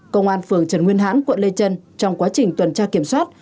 công an phường trần nguyên hãn quận lê trân trong quá trình tuần tra kiểm soát